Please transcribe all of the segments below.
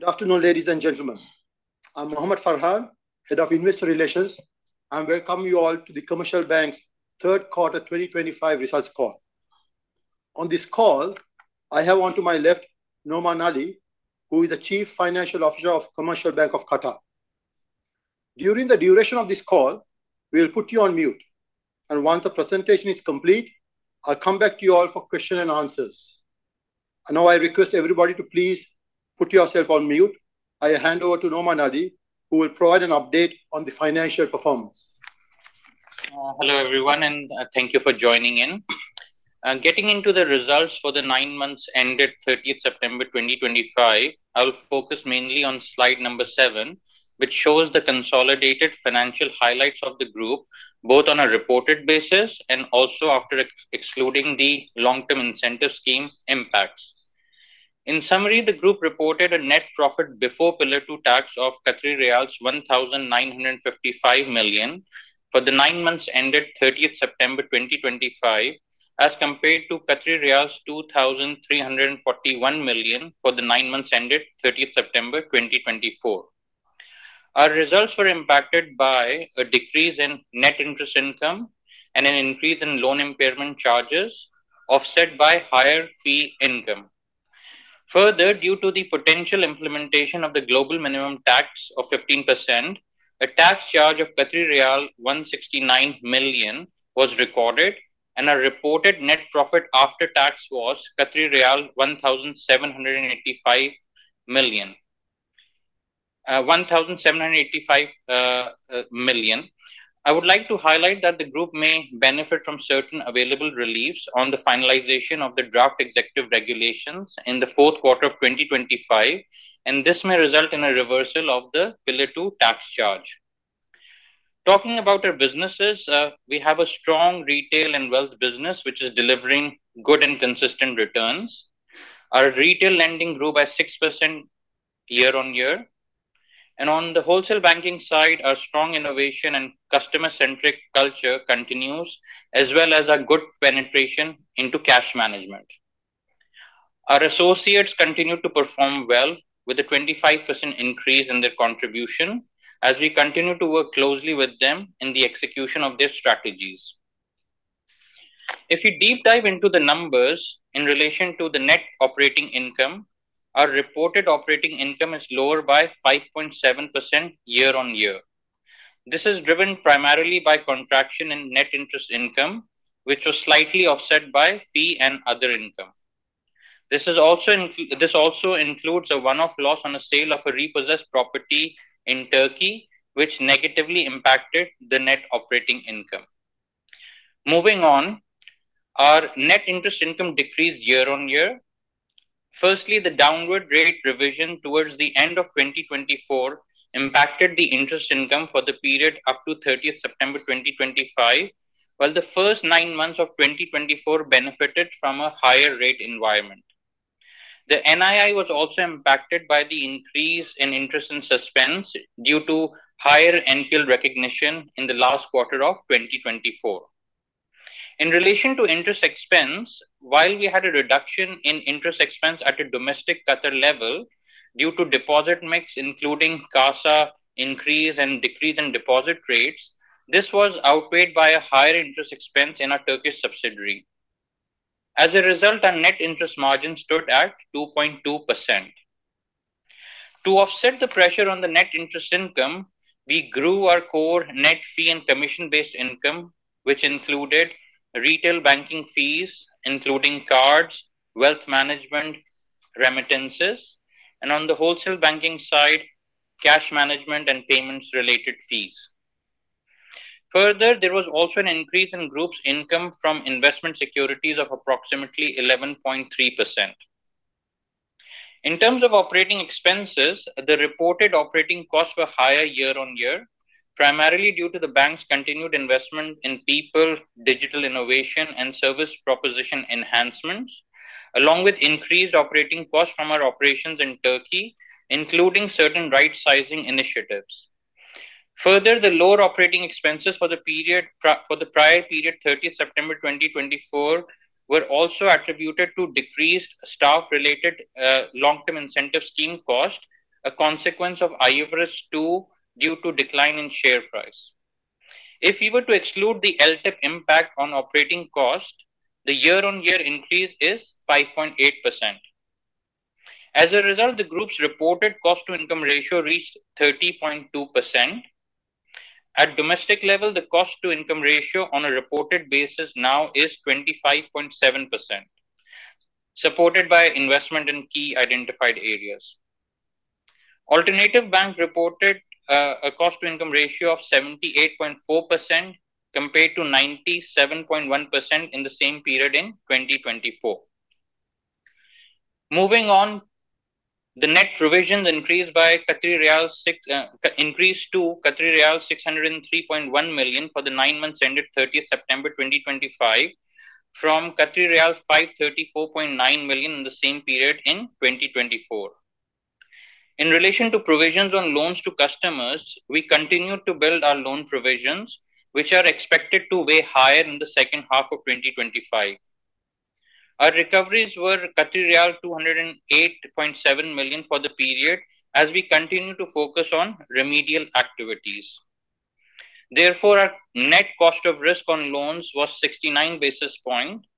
Good afternoon, ladies and gentlemen. I'm Mohamed Farhan, Head of Investor Relations, and welcome you all to the Commercial Bank's third quarter 2025 results call. On this call, I have on my left Noman Ali, who is the Chief Financial Officer of the Commercial Bank of Qatar. During the duration of this call, we will put you on mute, and once the presentation is complete, I'll come back to you all for questions and answers. Now, I request everybody to please put yourself on mute. I hand over to Noman Ali, who will provide an update on the financial performance. Hello everyone, and thank you for joining in. Getting into the results for the nine months ended 30th September 2025, I'll focus mainly on slide number seven, which shows the consolidated financial highlights of the group, both on a reported basis and also after excluding the long-term incentive scheme impacts. In summary, the group reported a net profit before Pillar Two Tax of Qatari riyals 1,955 million for the nine months ended 30th September 2025, as compared to QAR 2,341 million for the nine months ended 30th September 2024. Our results were impacted by a decrease in net interest income and an increase in loan impairment charges, offset by higher fee income. Further, due to the potential implementation of the global minimum tax of 15%, a tax charge of riyal 169 million was recorded, and our reported net profit after tax was 1,785 million. I would like to highlight that the group may benefit from certain available reliefs on the finalization of the draft executive regulations in the fourth quarter of 2025, and this may result in a reversal of the Pillar Two tax charge. Talking about our businesses, we have a strong retail and wealth business, which is delivering good and consistent returns. Our retail lending grew by 6% year-on-year, and on the wholesale banking side, our strong innovation and customer-centric culture continues, as well as a good penetration into cash management. Our associates continue to perform well with a 25% increase in their contribution, as we continue to work closely with them in the execution of their strategies. If you deep dive into the numbers in relation to the net operating income, our reported operating income is lower by 5.7% year-on-year. This is driven primarily by contraction in net interest income, which was slightly offset by fee and other income. This also includes a one-off loss on a sale of a repossessed property in Turkey, which negatively impacted the net operating income. Moving on, our net interest income decreased year-on-year. Firstly, the downward rate revision towards the end of 2024 impacted the interest income for the period up to 30th September 2025, while the first nine months of 2024 benefited from a higher rate environment. The NII was also impacted by the increase in interest and expense due to higher NQIL recognition in the last quarter of 2024. In relation to interest expense, while we had a reduction in interest expense at a domestic Qatar level due to deposit mix, including CASA increase and decrease in deposit rates, this was outweighed by a higher interest expense in our Turkish subsidiary. As a result, our net interest margin stood at 2.2%. To offset the pressure on the net interest income, we grew our core net fee and commission-based income, which included retail banking fees, including cards, wealth management, remittances, and on the wholesale banking side, cash management and payments-related fees. Further, there was also an increase in group's income from investment securities of approximately 11.3%. In terms of operating expenses, the reported operating costs were higher year-on-year, primarily due to the bank's continued investment in people, digital innovation, and service proposition enhancements, along with increased operating costs from our operations in Turkey, including certain right-sizing initiatives. Further, the lower operating expenses for the prior period, 30th September 2024, were also attributed to decreased staff-related long-term incentive scheme cost, a consequence of IFRS 2 due to a decline in share price. If we were to exclude the LTIP impact on operating costs, the year-on-year increase is 5.8%. As a result, the group's reported cost-to-income ratio reached 30.2%. At the domestic level, the cost-to-income ratio on a reported basis now is 25.7%, supported by investment in key identified areas. Alternative Bank reported a cost-to-income ratio of 78.4% compared to 97.1% in the same period in 2024. Moving on, the net provisions increased to QAR 603.1 million for the nine months ended 30th September 2025, from QAR 534.9 million in the same period in 2024. In relation to provisions on loans to customers, we continue to build our loan provisions, which are expected to weigh higher in the second half of 2025. Our recoveries were riyal 208.7 million for the period, as we continue to focus on remedial activities. Therefore, our net cost of risk on loans was 69 basis points,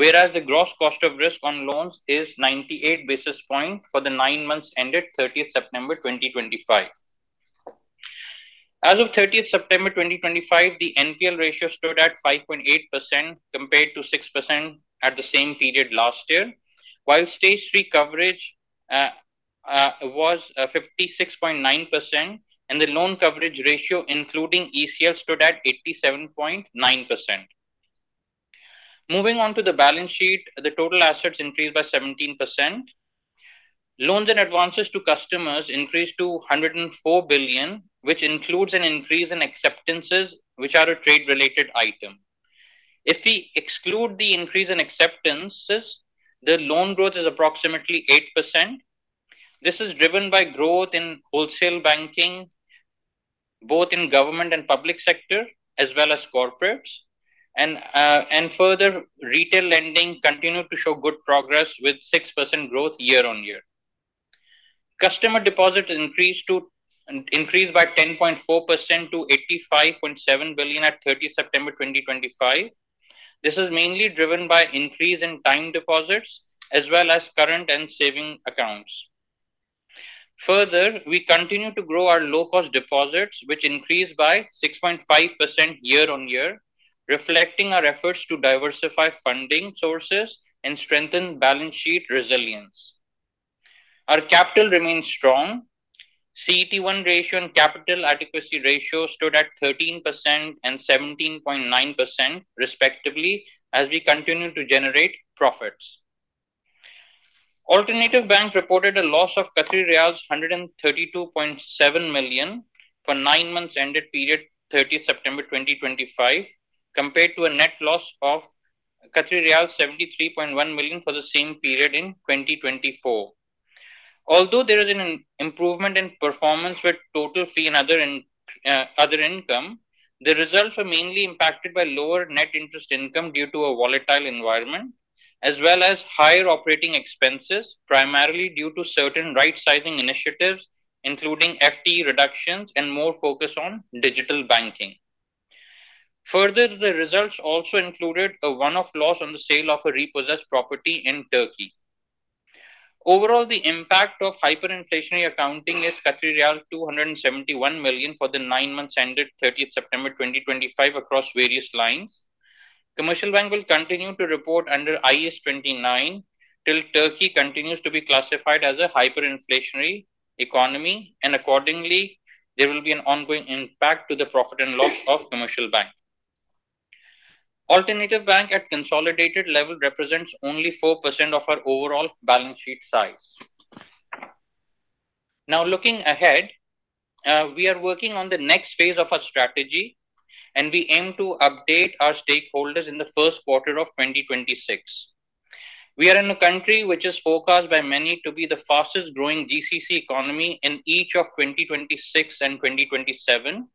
whereas the gross cost of risk on loans is 98 basis points for the nine months ended 30th September 2025. As of 30th September 2025, the NPL ratio stood at 5.8% compared to 6% at the same period last year, while stage three coverage was 56.9%, and the loan coverage ratio, including ECL, stood at 87.9%. Moving on to the balance sheet, the total assets increased by 17%. Loans and advances to customers increased to 104 billion, which includes an increase in acceptances, which are a trade-related item. If we exclude the increase in acceptances, the loan growth is approximately 8%. This is driven by growth in wholesale banking, both in government and public sector, as well as corporates, and further, retail lending continued to show good progress with 6% growth year-on-year. Customer deposits increased by 10.4% to 85.7 billion at 30 September 2025. This is mainly driven by an increase in time deposits, as well as current and saving accounts. Further, we continue to grow our low-cost deposits, which increased by 6.5% year-on-year, reflecting our efforts to diversify funding sources and strengthen balance sheet resilience. Our capital remains strong. CET1 ratio and capital adequacy ratio stood at 13% and 17.9% respectively, as we continue to generate profits. Alternative Bank reported a loss of 132.7 million for nine months ended 30 September 2025, compared to a net loss of 73.1 million for the same period in 2024. Although there is an improvement in performance for total fee and other income, the results were mainly impacted by lower net interest income due to a volatile environment, as well as higher operating expenses, primarily due to certain right-sizing initiatives, including FTE reductions and more focus on digital banking. Further, the results also included a one-off loss on the sale of a repossessed property in Turkey. Overall, the impact of hyperinflationary accounting is 271 million for the nine months ended 30 September 2025 across various lines. Commercial Bank of Qatar will continue to report under IAS 29 till Turkey continues to be classified as a hyperinflationary economy, and accordingly, there will be an ongoing impact to the profit and loss of Commercial Bank of Qatar. Alternative Bank at consolidated level represents only 4% of our overall balance sheet size. Now, looking ahead, we are working on the next phase of our strategy, and we aim to update our stakeholders in the first quarter of 2026. We are in a country which is forecast by many to be the fastest growing GCC economy in each of 2026 and 2027. We are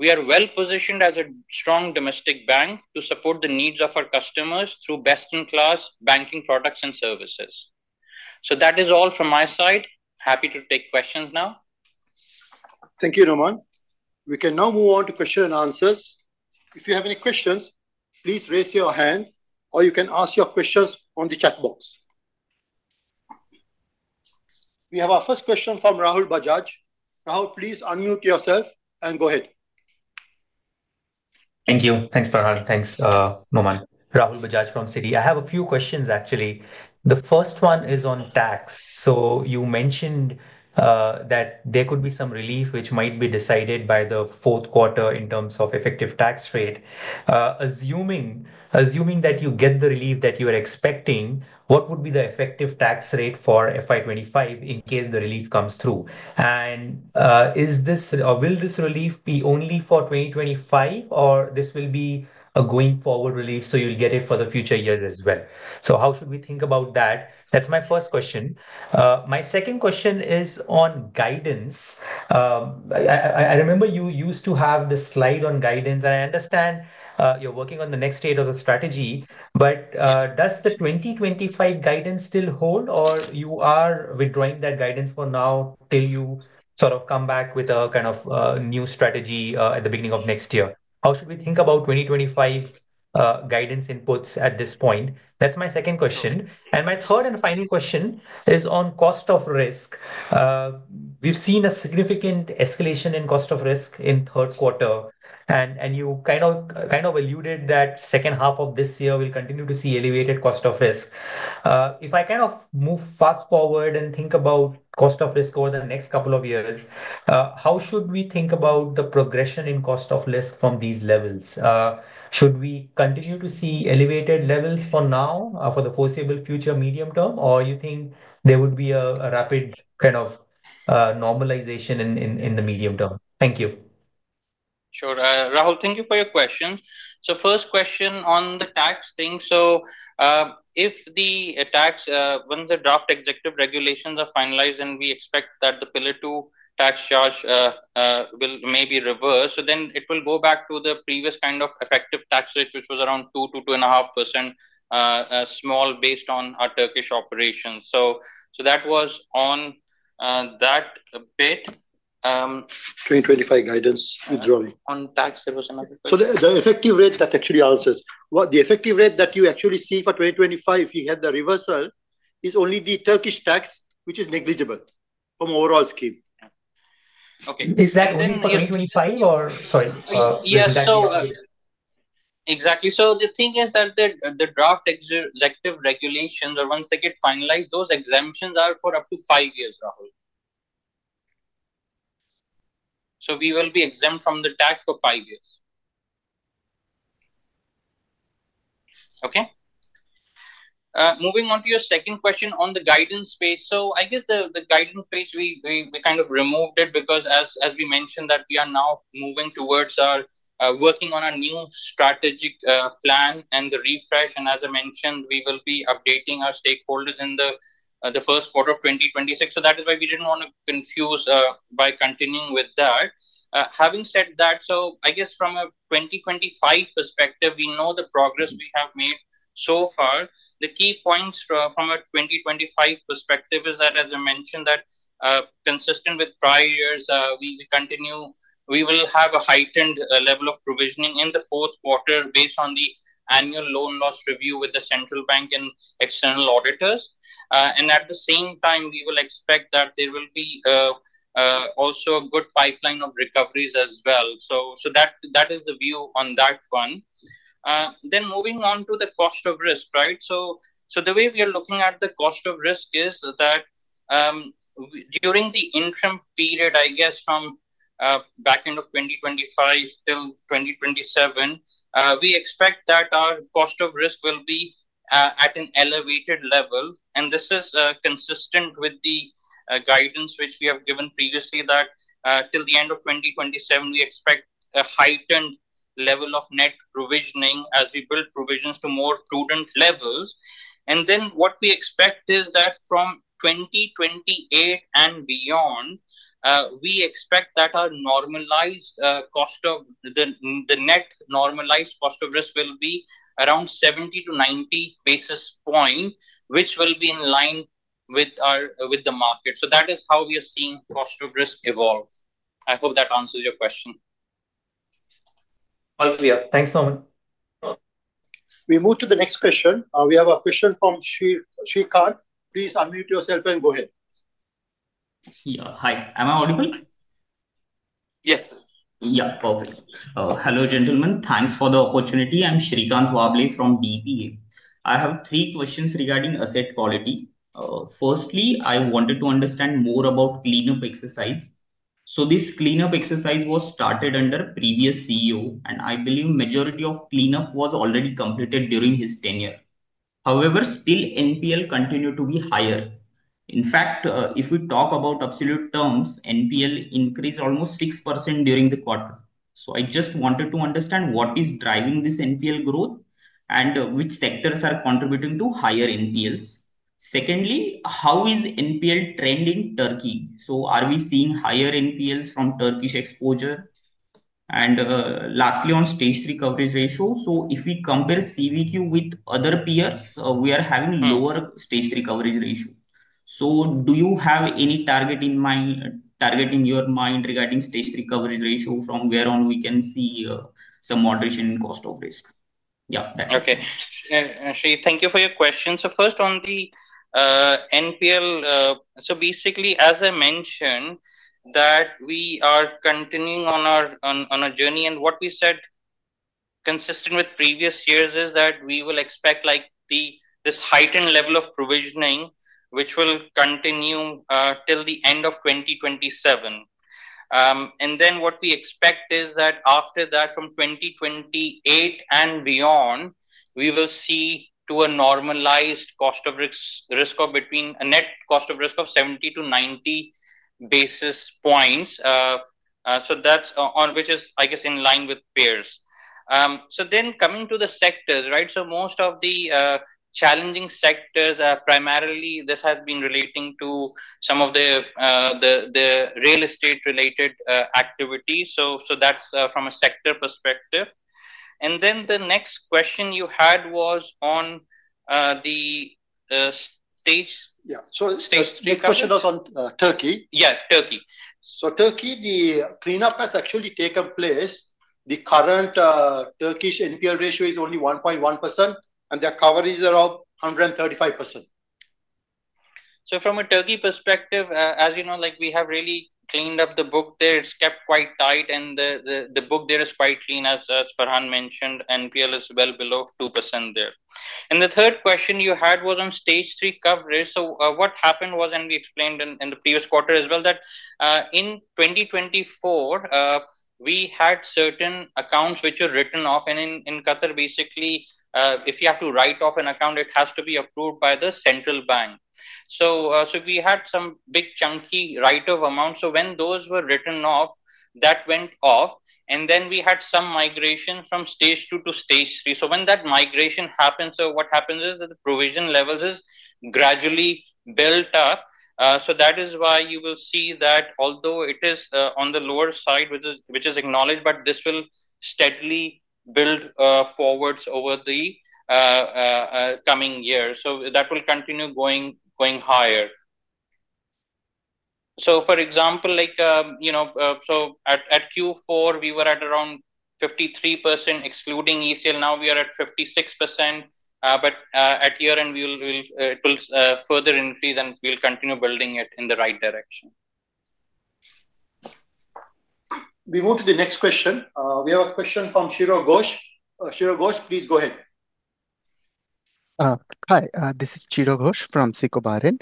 well positioned as a strong domestic bank to support the needs of our customers through best-in-class banking products and services. That is all from my side. Happy to take questions now. Thank you, Noman. We can now move on to questions and answers. If you have any questions, please raise your hand, or you can ask your questions on the chat box. We have our first question from Rahul Bajaj. Rahul, please unmute yourself and go ahead. Thank you. Thanks, Farhan. Thanks, Noman. Rahul Bajaj from Citi. I have a few questions, actually. The first one is on tax. You mentioned that there could be some relief which might be decided by the fourth quarter in terms of effective tax rate. Assuming that you get the relief that you are expecting, what would be the effective tax rate for FY 2025 in case the relief comes through? Is this or will this relief be only for 2025, or will this be a going-forward relief so you'll get it for the future years as well? How should we think about that? That's my first question. My second question is on guidance. I remember you used to have the slide on guidance, and I understand you're working on the next stage of the strategy. Does the 2025 guidance still hold, or are you withdrawing that guidance for now until you come back with a kind of new strategy at the beginning of next year? How should we think about 2025 guidance inputs at this point? That's my second question. My third and final question is on cost of risk. We've seen a significant escalation in cost of risk in the third quarter, and you alluded that the second half of this year we'll continue to see elevated cost of risk. If I move fast forward and think about cost of risk over the next couple of years, how should we think about the progression in cost of risk from these levels? Should we continue to see elevated levels for now for the foreseeable future medium term, or do you think there would be a rapid normalization in the medium term? Thank you. Sure. Rahul, thank you for your question. First question on the tax thing. If the tax, once the draft executive regulations are finalized and we expect that the Pillar Two tax charge will maybe reverse, it will go back to the previous kind of effective tax rate, which was around 2%-2.5% based on our Turkish operations. That was on that bit. 2025 guidance withdrawn. On tax, there was another question. The effective rate that actually answers what the effective rate that you actually see for 2025 if you have the reversal is only the Turkish tax, which is negligible from the overall scheme. Yeah. Okay. Is that only for 2025, or sorry? Yes. Exactly. The thing is that the draft executive regulations are, once they get finalized, those exemptions are for up to five years, Rahul. We will be exempt from the tax for five years. Moving on to your second question on the guidance space. I guess the guidance space, we kind of removed it because, as we mentioned, we are now moving towards our working on our new strategic plan and the refresh. As I mentioned, we will be updating our stakeholders in the first quarter of 2026. That is why we didn't want to confuse by continuing with that. Having said that, from a 2025 perspective, we know the progress we have made so far. The key points from a 2025 perspective are that, as I mentioned, consistent with prior years, we will have a heightened level of provisioning in the fourth quarter based on the annual loan loss review with the central bank and external auditors. At the same time, we will expect that there will be also a good pipeline of recoveries as well. That is the view on that one. Moving on to the cost of risk, the way we are looking at the cost of risk is that during the interim period, from back end of 2025 till 2027, we expect that our cost of risk will be at an elevated level. This is consistent with the guidance which we have given previously that till the end of 2027, we expect a heightened level of net provisioning as we build provisions to more prudent levels. What we expect is that from 2028 and beyond, we expect that our normalized cost of the net normalized cost of risk will be around 70 basis points-90 basis points, which will be in line with the market. That is how we are seeing cost of risk evolve. I hope that answers your question. All clear. Thanks, Noman. We move to the next question. We have a question from [Srikant]. Please unmute yourself and go ahead. Hi. Am I audible? Yes. Yeah. Perfect. Hello, gentlemen. Thanks for the opportunity. I'm [Srikant Wable from DPA]. I have three questions regarding asset quality. Firstly, I wanted to understand more about cleanup exercise. This cleanup exercise was started under previous CEO, and I believe the majority of cleanup was already completed during his tenure. However, still, NPL continued to be higher. In fact, if we talk about absolute terms, NPL increased almost 6% during the quarter. I just wanted to understand what is driving this NPL growth and which sectors are contributing to higher NPLs. Secondly, how is NPL trend in Turkey? Are we seeing higher NPLs from Turkish exposure? Lastly, on stage three coverage ratio, if we compare Commercial Bank of Qatar with other peers, we are having lower stage three coverage ratio. Do you have any target in your mind regarding stage three coverage ratio from where on we can see some moderation in cost of risk? Yeah. Okay. Sri, thank you for your question. First, on the NPL, as I mentioned, we are continuing on our journey. What we said, consistent with previous years, is that we will expect this heightened level of provisioning, which will continue till the end of 2027. What we expect is that after that, from 2028 and beyond, we will see to a normalized cost of risk of between a net cost of risk of 70 basis points-90 basis points. That's in line with peers. Coming to the sectors, most of the challenging sectors are primarily relating to some of the real estate-related activities. That's from a sector perspective. The next question you had was on the stage. Yeah, the next question was on Turkey. Yeah, Turkey. Turkey, the cleanup has actually taken place. The current Turkish NPL ratio is only 1.1%, and their coverage is around 135%. From a Turkey perspective, as you know, we have really cleaned up the book there. It's kept quite tight, and the book there is quite clean, as Farhan mentioned. NPL is well below 2% there. The third question you had was on stage three coverage. What happened was, and we explained in the previous quarter as well, that in 2024, we had certain accounts which were written off. In Qatar, basically, if you have to write off an account, it has to be approved by the central bank. We had some big chunky write-off amounts. When those were written off, that went off. We had some migration from stage two to stage three. When that migration happens, the provision levels gradually build up. That is why you will see that although it is on the lower side, which is acknowledged, this will steadily build forwards over the coming year. That will continue going higher. For example, at Q4, we were at around 53% excluding ECL. Now we are at 56%. At year-end, it will further increase, and we'll continue building it in the right direction. We move to the next question. We have a question from Chiro Ghosh. Chiro Ghosh, please go ahead. Hi. This is Chiro Ghosh from SICO Bahrain.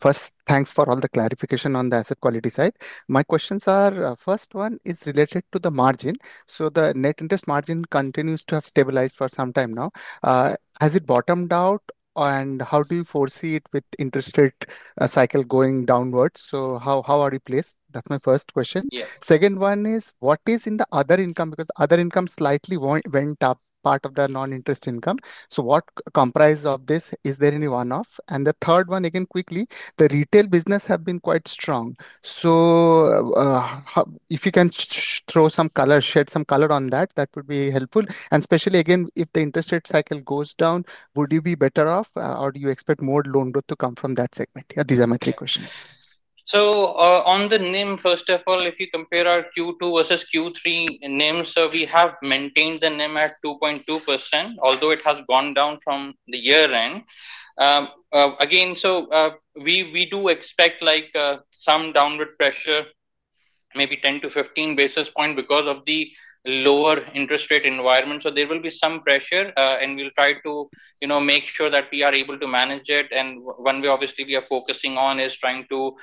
First, thanks for all the clarification on the asset quality side. My questions are, first one is related to the margin. The net interest margin continues to have stabilized for some time now. Has it bottomed out, and how do you foresee it with the interest rate cycle going downwards? How are you placed? That's my first question. Second one is, what is in the other income? Because other income slightly went up, part of the non-interest income. What comprise of this? Is there any one-off? The third one, quickly, the retail business has been quite strong. If you can throw some color, shed some color on that, that would be helpful. Especially, if the interest rate cycle goes down, would you be better off, or do you expect more loan growth to come from that segment? These are my three questions. On the NIM, first of all, if you compare our Q2 versus Q3 NIMs, we have maintained the NIM at 2.2%, although it has gone down from the year-end. We do expect some downward pressure, maybe 10 basis points-15 basis points because of the lower interest rate environment. There will be some pressure, and we'll try to make sure that we are able to manage it. One way we are focusing on is trying to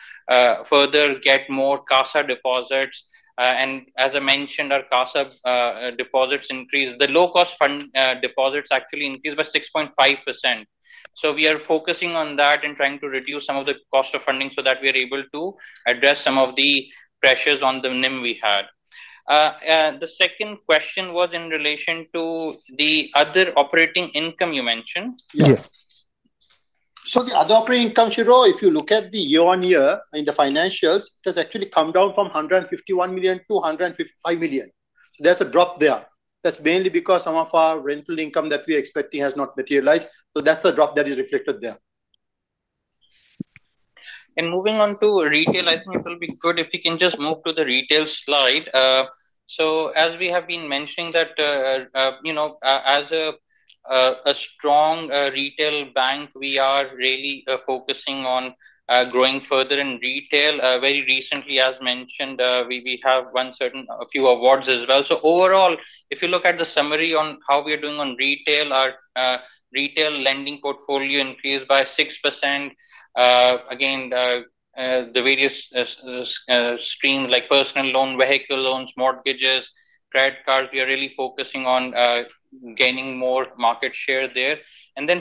further get more CASA deposits. As I mentioned, our CASA deposits increased. The low-cost fund deposits actually increased by 6.5%. We are focusing on that and trying to reduce some of the cost of funding so that we are able to address some of the pressures on the NIM we had. The second question was in relation to the other operating income you mentioned. Yes. The other operating income, Shiro, if you look at the year-on-year in the financials, it has actually come down from 151 million to 155 million. There's a drop there. That's mainly because some of our rental income that we are expecting has not materialized. That's a drop that is reflected there. Moving on to retail, I think it will be good if we can just move to the retail slide. As we have been mentioning, as a strong retail bank, we are really focusing on growing further in retail. Very recently, as mentioned, we have won a few awards as well. Overall, if you look at the summary on how we are doing on retail, our retail lending portfolio increased by 6%. The various streams like personal loan, vehicle loans, mortgages, credit cards, we are really focusing on gaining more market share there.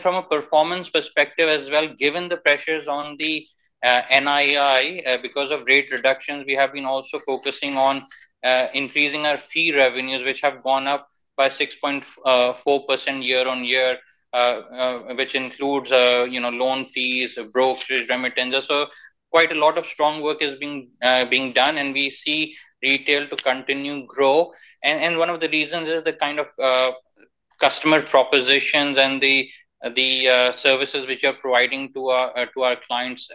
From a performance perspective as well, given the pressures on the NII because of rate reductions, we have been also focusing on increasing our fee revenues, which have gone up by 6.4% year-on-year, which includes loan fees, brokerage remittances. Quite a lot of strong work is being done, and we see retail to continue to grow. One of the reasons is the kind of customer propositions and the services which are providing to our clients,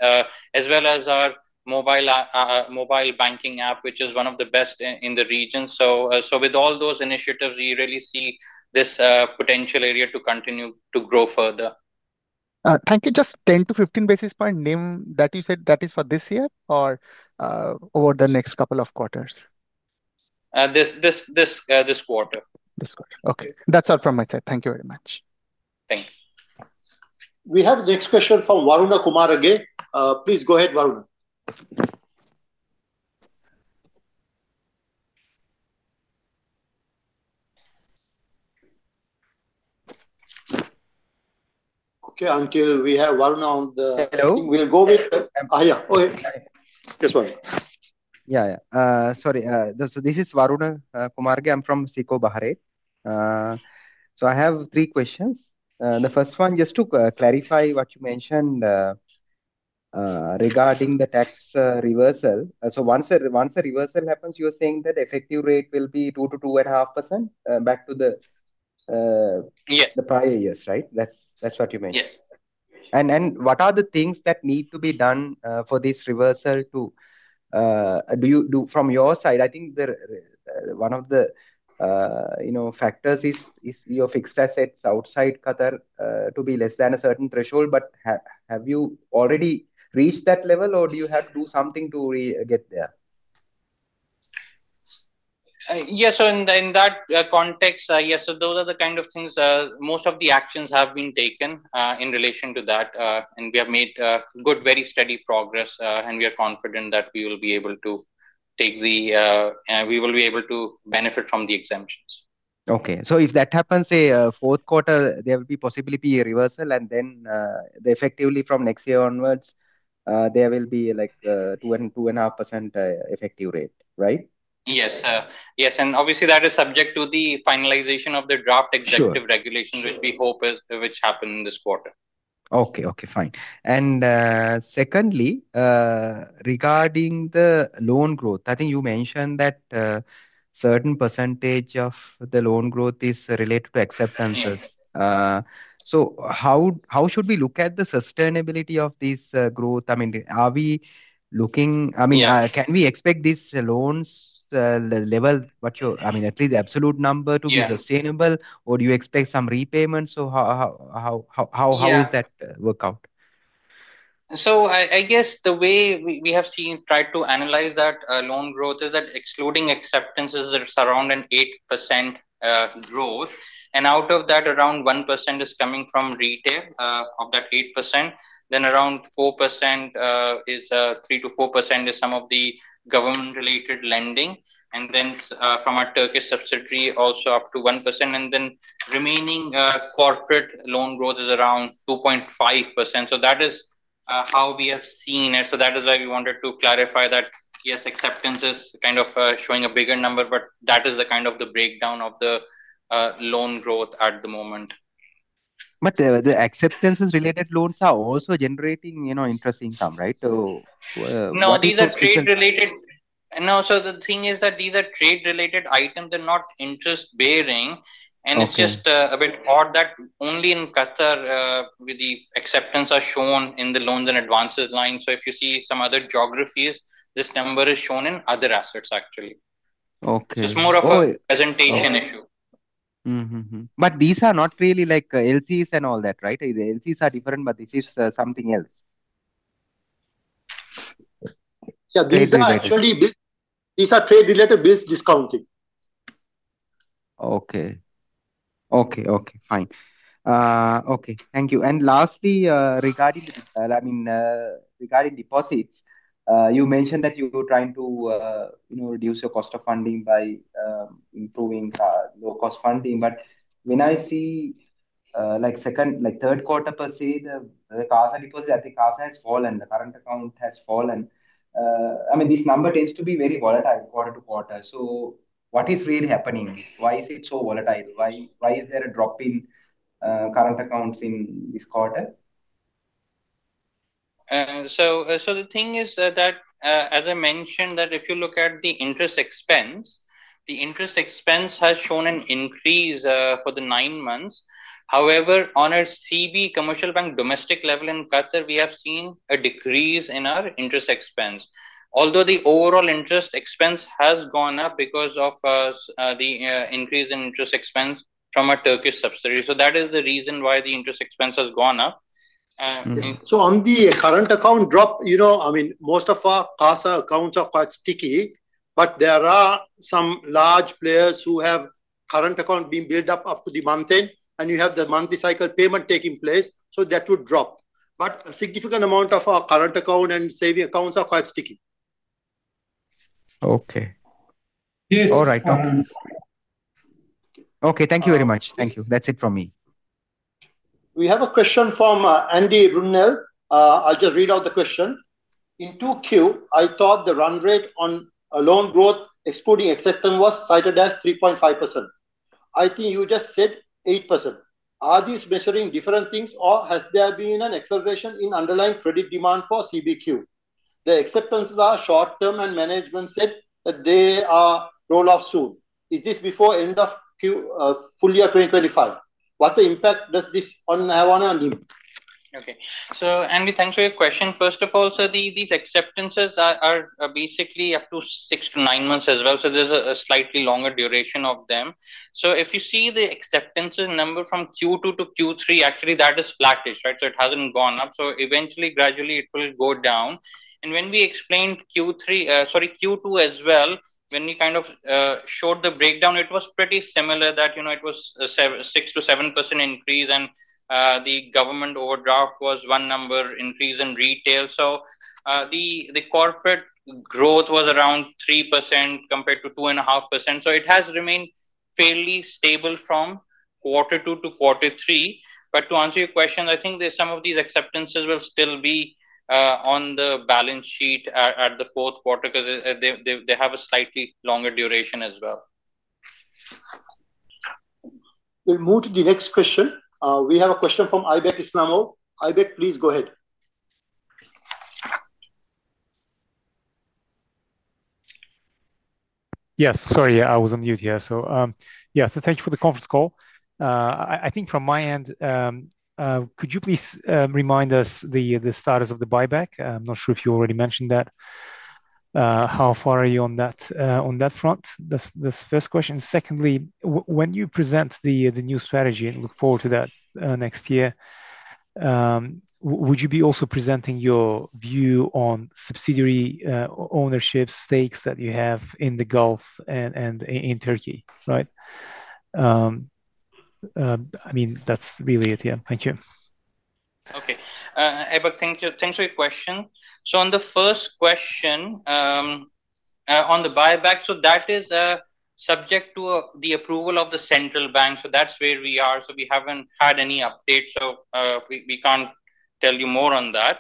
as well as our mobile banking app, which is one of the best in the region. With all those initiatives, we really see this potential area to continue to grow further. Can you just 10 basis points-15 basis point NIM, that you said, that is for this year or over the next couple of quarters? This quarter. This quarter. Okay, that's all from my side. Thank you very much. Thank you. We have the next question from Waruna Kumarage. Please go ahead, Waruna. Until we have Waruna on the. Hello. Go ahead. Just one minute. Sorry. This is Waruna Kumarage. I'm from SICO Bahrain. I have three questions. The first one, just to clarify what you mentioned regarding the tax reversal. Once the reversal happens, you're saying that the effective rate will be 2%-2.5% back to the prior years, right? That's what you meant. Yes. What are the things that need to be done for this reversal too? From your side, I think one of the factors is your fixed assets outside Qatar to be less than a certain threshold. Have you already reached that level, or do you have to do something to get there? Yeah, in that context, yes. Those are the kind of things most of the actions have been taken in relation to that. We have made good, very steady progress, and we are confident that we will be able to benefit from the exemptions. Okay. If that happens, say fourth quarter, there will be possibly a reversal, and then effectively from next year onwards, there will be like 2% and 2.5% effective rate, right? Yes. Yes. Obviously, that is subject to the finalization of the draft executive regulations, which we hope happened this quarter. Okay. Fine. Secondly, regarding the loan growth, I think you mentioned that a certain percentage of the loan growth is related to acceptances. How should we look at the sustainability of this growth? I mean, can we expect this loans level, at least the absolute number, to be sustainable, or do you expect some repayments? How does that work out? I guess the way we have seen, try to analyze that loan growth is that excluding acceptances, it's around 8% growth. Out of that, around 1% is coming from retail of that 8%. Around 3%-4% is some of the government-related lending. From our Turkish subsidiary, also up to 1%. The remaining corporate loan growth is around 2.5%. That is how we have seen it. That is why we wanted to clarify that, yes, acceptances are kind of showing a bigger number, but that is the breakdown of the loan growth at the moment. The acceptances-related loans are also generating interest income, right? No, the thing is that these are trade-related items. They're not interest-bearing. It's just a bit odd that only in Qatar the acceptances are shown in the loans and advances line. If you see some other geographies, this number is shown in other assets, actually. It's just more of a presentation issue. These are not really like LCs and all that, right? The LCs are different, but this is something else. These are actually bills. These are trade-related bills, discounting. Okay. Thank you. Lastly, regarding the deposits, you mentioned that you were trying to reduce your cost of funding by improving low-cost funding. When I see, like, second, like, third quarter per se, the CASA deposit, I think CASA has fallen. The current account has fallen. This number tends to be very volatile quarter to quarter. What is really happening? Why is it so volatile? Why is there a drop in current accounts in this quarter? As I mentioned, if you look at the interest expense, the interest expense has shown an increase for the nine months. However, on our Commercial Bank domestic level in Qatar, we have seen a decrease in our interest expense. Although the overall interest expense has gone up because of the increase in interest expense from our Turkish subsidiary. That is the reason why the interest expense has gone up. On the current account drop, most of our CASA accounts are quite sticky, but there are some large players who have current accounts being built up up to the month end, and you have the monthly cycle payment taking place. That would drop. A significant amount of our current account and saving accounts are quite sticky. Okay. Yes. All right. Okay. Thank you very much. Thank you. That's it from me. We have a question from Andy Brunel. I'll just read out the question. In 2Q, I thought the run rate on loan growth excluding acceptances was cited as 3.5%. I think you just said 8%. Are these measuring different things, or has there been an acceleration in underlying credit demand for Commercial Bank of Qatar? The acceptances are short-term, and management said that they are rolled off soon. Is this before end of Q fully of 2025? What's the impact does this have on our NIM? Okay. Andy, thanks for your question. First of all, these acceptances are basically up to six to nine months as well, so there's a slightly longer duration of them. If you see the acceptances number from Q2 to Q3, actually, that is flattish, right? It hasn't gone up. Eventually, gradually, it will go down. When we explained Q3, sorry, Q2 as well, when we kind of showed the breakdown, it was pretty similar that it was a 6%-7% increase, and the government overdraft was one number increase in retail. The corporate growth was around 3% compared to 2.5%. It has remained fairly stable from Q2 to Q3. To answer your questions, I think some of these acceptances will still be on the balance sheet at the fourth quarter because they have a slightly longer duration as well. We'll move to the next question. We have a question from [Abel]. [Abel], please go ahead. Yes, sorry. I was on mute here. Thank you for the conference call. I think from my end, could you please remind us the status of the share buyback program? I'm not sure if you already mentioned that. How far are you on that front? That's the first question. Secondly, when you present the new strategy and look forward to that next year, would you be also presenting your view on subsidiary ownership stakes that you have in the Gulf and in Turkey, right? I mean, that's really it here. Thank you. Okay. [Abel], thank you. Thanks for your question. On the first question on the buyback, that is subject to the approval of the central bank. That's where we are. We haven't had any updates, so we can't tell you more on that.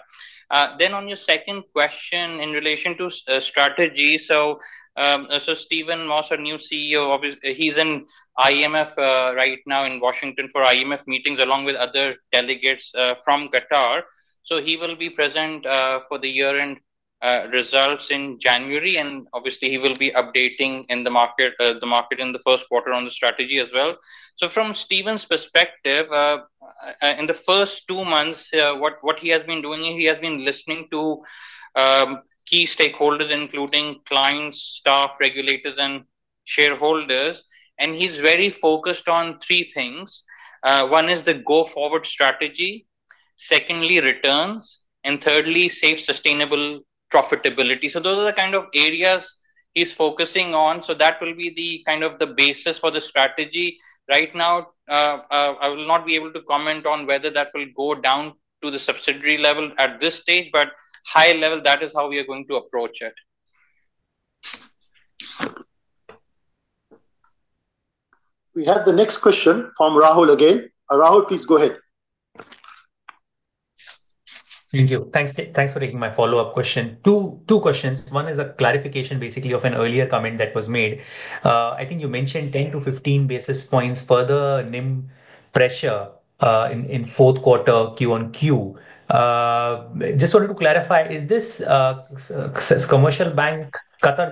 On your second question in relation to strategy, Steven Moss, our new CEO, is in Washington for IMF meetings along with other delegates from Qatar. He will be present for the year-end results in January, and he will be updating the market in the first quarter on the strategy as well. From Steven's perspective, in the first two months, what he has been doing is listening to key stakeholders, including clients, staff, regulators, and shareholders. He's very focused on three things: one is the go-forward strategy, secondly, returns, and thirdly, safe, sustainable profitability. Those are the areas he's focusing on. That will be the basis for the strategy. Right now, I will not be able to comment on whether that will go down to the subsidiary level at this stage, but high level, that is how we are going to approach it. We have the next question from Rahul again. Rahul, please go ahead. Thank you. Thanks for taking my follow-up question. Two questions. One is a clarification, basically, of an earlier comment that was made. I think you mentioned 10 basis points-15 basis points further NIM pressure in fourth quarter QoQ. Just wanted to clarify, is this Commercial Bank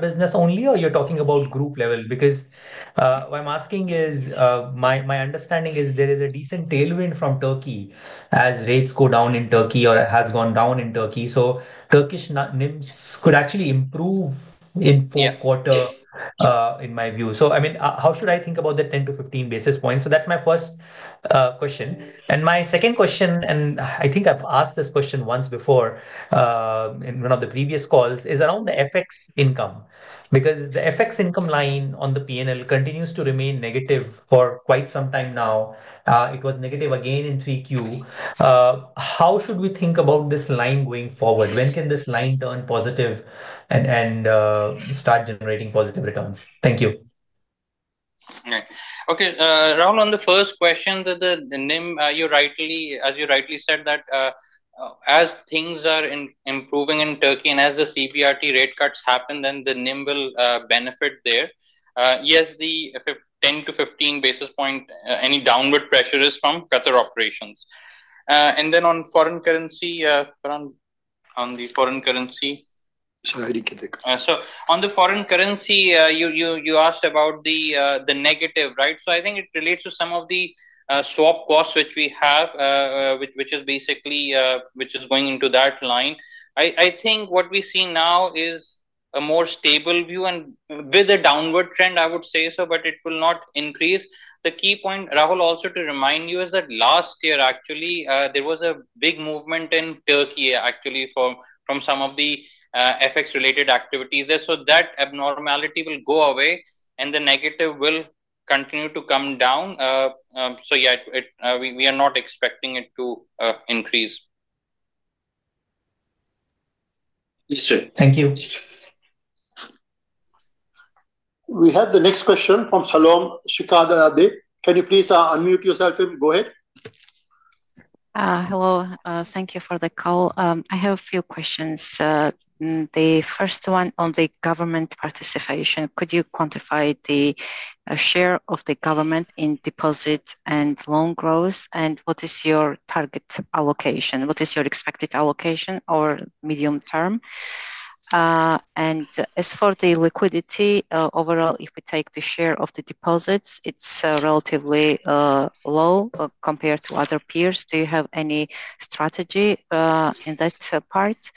business only, or you're talking about group level? Because what I'm asking is my understanding is there is a decent tailwind from Turkey as rates go down in Turkey or has gone down in Turkey. Turkish NIMs could actually improve in fourth quarter, in my view. How should I think about the 10 basis points-15 basis points? That's my first question. My second question, and I think I've asked this question once before in one of the previous calls, is around the FX income. The FX income line on the P&L continues to remain negative for quite some time now. It was negative again in 3Q. How should we think about this line going forward? When can this line turn positive and start generating positive returns? Thank you. Okay. Rahul, on the first question, the NIM, as you rightly said, as things are improving in Turkey and as the CBRT rate cuts happen, the NIM will benefit there. The 10 basis points-15 basis point, any downward pressure is from Qatar operations. On foreign currency, Farhan, on the foreign currency. Sorry, I didn't get that. On the foreign currency, you asked about the negative, right? I think it relates to some of the swap costs which we have, which is basically going into that line. I think what we see now is a more stable view with a downward trend, I would say, but it will not increase. The key point, Rahul, also to remind you, is that last year, actually, there was a big movement in Turkey for some of the FX-related activities there. That abnormality will go away, and the negative will continue to come down. We are not expecting it to increase. Understood. Thank you. We have the next question from [Shalom Shikhada Abe]. Can you please unmute yourself and go ahead? Hello. Thank you for the call. I have a few questions. The first one on the government participation. Could you quantify the share of the government in deposit and loan growth? What is your target allocation? What is your expected allocation over the medium term? As for the liquidity, overall, if we take the share of the deposits, it's relatively low compared to other peers. Do you have any strategy in that part?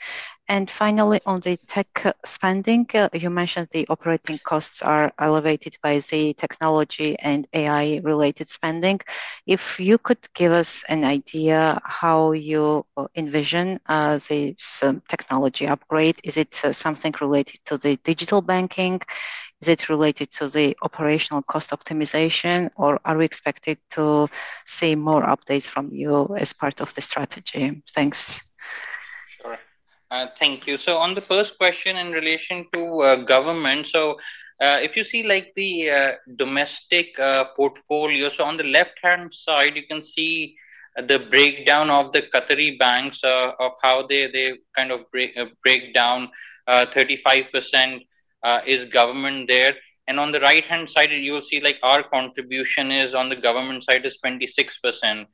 Finally, on the tech spending, you mentioned the operating costs are elevated by the technology and AI-related spending. If you could give us an idea how you envision this technology upgrade, is it something related to the digital banking? Is it related to the operational cost optimization, or are we expected to see more updates from you as part of the strategy? Thanks. Thank you. On the first question in relation to government, if you see the domestic portfolio, on the left-hand side, you can see the breakdown of the Qatari banks of how they break down. 35% is government there. On the right-hand side, you'll see our contribution on the government side is 26%.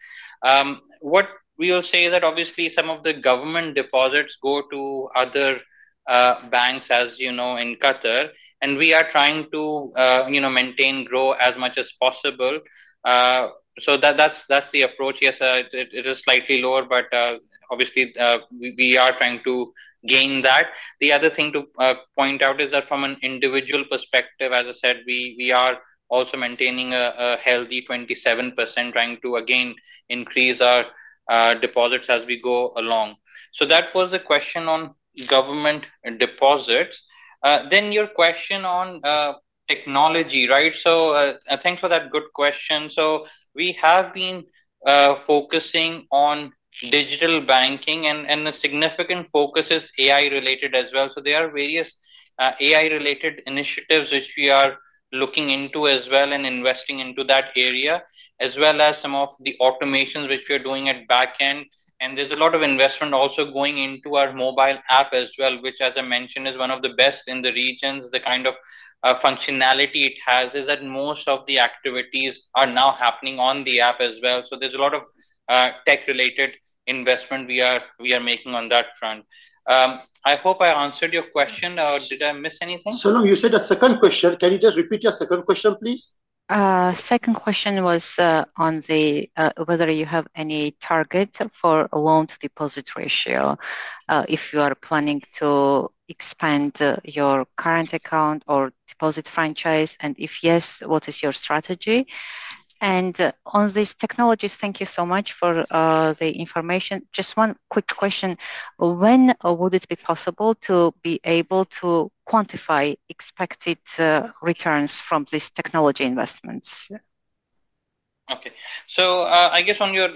What we will say is that, obviously, some of the government deposits go to other banks, as you know, in Qatar. We are trying to maintain growth as much as possible. That's the approach. Yes, it is slightly lower, but obviously, we are trying to gain that. The other thing to point out is that from an individual perspective, as I said, we are also maintaining a healthy 27%, trying to again increase our deposits as we go along. That was the question on government deposits. Your question on technology, right? Thanks for that good question. We have been focusing on digital banking, and a significant focus is AI-related as well. There are various AI-related initiatives which we are looking into as well and investing into that area, as well as some of the automations which we are doing at back end. There is a lot of investment also going into our mobile app as well, which, as I mentioned, is one of the best in the regions. The kind of functionality it has is that most of the activities are now happening on the app as well. There is a lot of tech-related investment we are making on that front. I hope I answered your question. Did I miss anything? Shalom, you said a second question. Can you just repeat your second question, please? Second question was on whether you have any target for a loan-to-deposit ratio if you are planning to expand your current account or deposit franchise, and if yes, what is your strategy? On these technologies, thank you so much for the information. Just one quick question. When would it be possible to be able to quantify expected returns from these technology investments? Okay. On your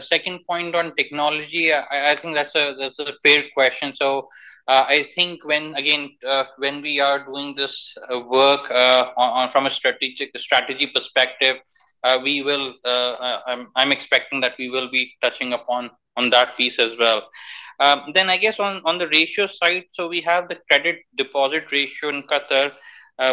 second point on technology, I think that's a fair question. When we are doing this work from a strategy perspective, I'm expecting that we will be touching upon that piece as well. On the ratio side, we have the credit deposit ratio in Qatar,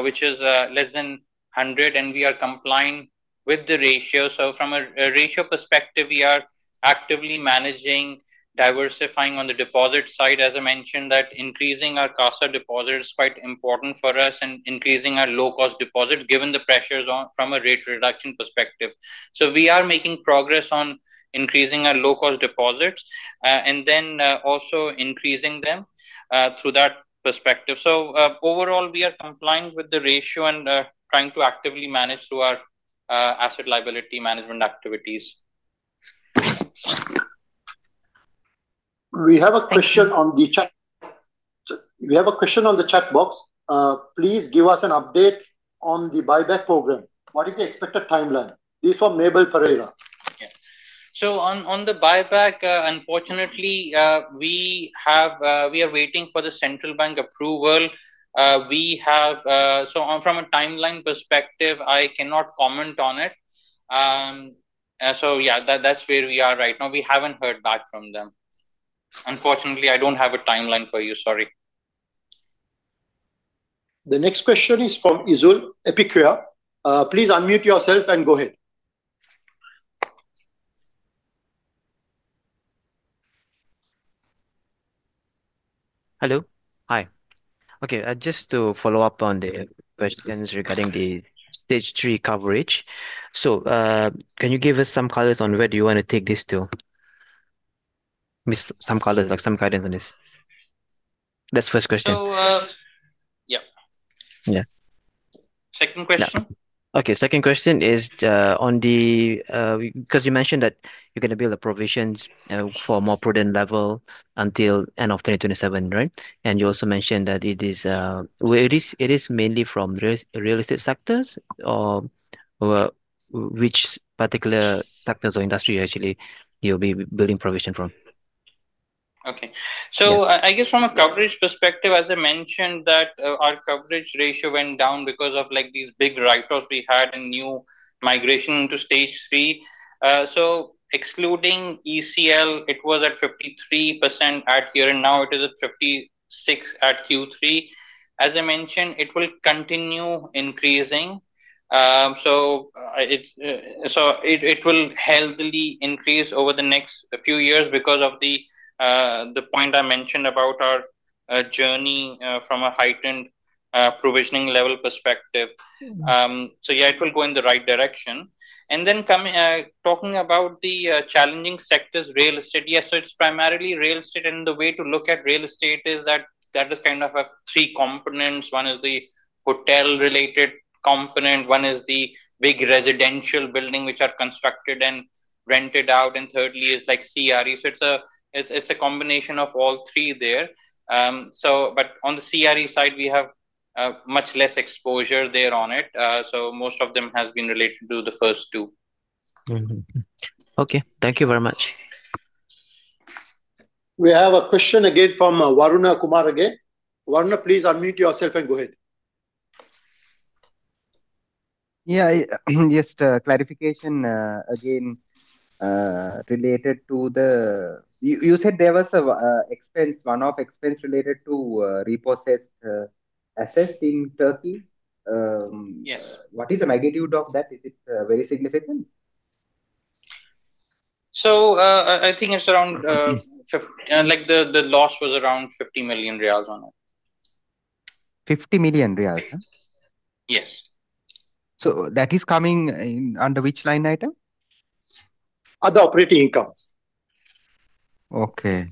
which is less than 100, and we are complying with the ratio. From a ratio perspective, we are actively managing, diversifying on the deposit side. As I mentioned, increasing our CASA deposit is quite important for us and increasing our low-cost deposit given the pressures from a rate reduction perspective. We are making progress on increasing our low-cost deposits and also increasing them through that perspective. Overall, we are complying with the ratio and trying to actively manage through our asset liability management activities. We have a question on the chat box. Please give us an update on the share buyback program. What is the expected timeline? This is from Mabel Pereira. On the buyback, unfortunately, we are waiting for the central bank approval. From a timeline perspective, I cannot comment on it. That's where we are right now. We haven't heard back from them. Unfortunately, I don't have a timeline for you. Sorry. The next question is from[ Izul Epikriya]. Please unmute yourself and go ahead. Hello. Hi. Okay. Just to follow up on the questions regarding the stage three coverage, can you give us some colors on where do you want to take this to? Some colors, like some guidance on this. That's the first question. Yeah, second question. Okay. Second question is because you mentioned that you're going to build the provisions for a more prudent level until the end of 2027, right? You also mentioned that it is mainly from real estate sectors. Which particular sectors or industries actually you'll be building provision from? Okay. I guess from a coverage perspective, as I mentioned, our coverage ratio went down because of these big write-offs we had and new migration into stage three. Excluding ECL, it was at 53% at year, and now it is at 56% at Q3. As I mentioned, it will continue increasing. It will healthily increase over the next few years because of the point I mentioned about our journey from a heightened provisioning level perspective. It will go in the right direction. Talking about the challenging sectors, real estate. Yes, it's primarily real estate. The way to look at real estate is that it is kind of three components. One is the hotel-related component. One is the big residential buildings which are constructed and rented out. Thirdly is CRE. It's a combination of all three there. On the CRE side, we have much less exposure there. Most of them have been related to the first two. Okay, thank you very much. We have a question from Waruna Kumarage. Waruna, please unmute yourself and go ahead. Yeah, just a clarification again related to the, you said there was an expense, one-off expense related to reprocessed assets in Turkey. Yes. What is the magnitude of that? Is it very significant? I think it's around 50. The loss was around 50 million riyals on it. 50 million riyals? Yes. Is that coming under which line item? Under operating income. Okay.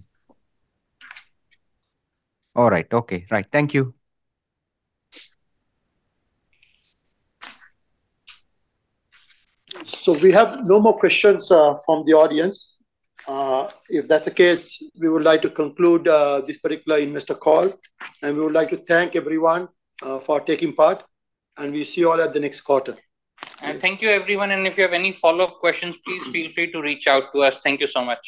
All right. Okay. Right. Thank you. We have no more questions from the audience. If that's the case, we would like to conclude this particular investor call. We would like to thank everyone for taking part, and we'll see you all at the next quarter. Thank you, everyone. If you have any follow-up questions, please feel free to reach out to us. Thank you so much.